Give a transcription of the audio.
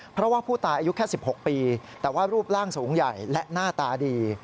เพราะว่าผู้ตายอายุแค่๑๖ปีแต่ว่ารูปร่างสูงใหญ่และหน้าตาดี